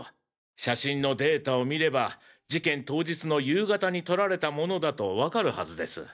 写真のデータを見れば事件当日の夕方に撮られたものだとわかるはずです。